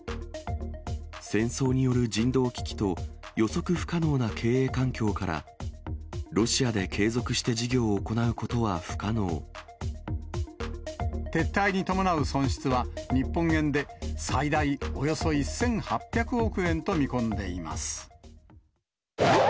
戦争による人道危機と、予測不可能な経営環境から、ロシアで継続して事業を行うこと撤退に伴う損失は、日本円で最大およそ１８００億円と見込んでいます。